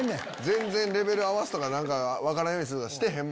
全然レベル合わすとか分からんようにするとかしてへん。